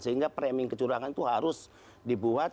sehingga framing kecurangan itu harus dibuat